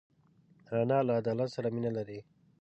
انا له عدالت سره مینه لري